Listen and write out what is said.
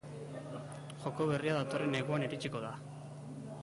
Joko berria datorren neguan iritsiko da.